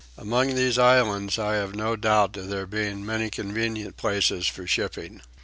Among these islands I have no doubt of there being many convenient places for shipping.